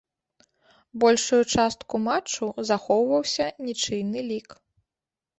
Большую частку матчу захоўваўся нічыйны лік.